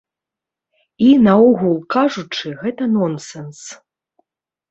І наогул кажучы, гэта нонсэнс.